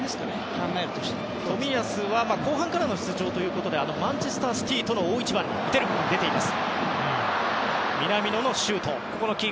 冨安は後半からの出場ということでマンチェスター・シティーとの大一番に出ています。